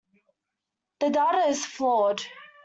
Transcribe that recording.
The data is flawed.